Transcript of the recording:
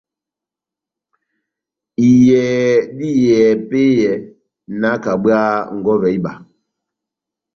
Iyɛhɛ dá iyɛhɛ epɛ́yɛ, nakabwaha nkɔvɛ iba.